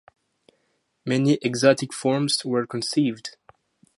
Many exotic forms were conceived.